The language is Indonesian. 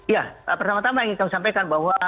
ya pertama tama ingin saya sampaikan bahwa